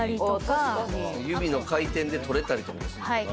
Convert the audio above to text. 指の回転で取れたりとかもするねんな。